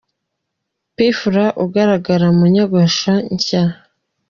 P Fla ugaragara mu nyogosho nshya .